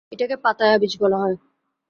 এটাকে Pattaya beach বলা হয়।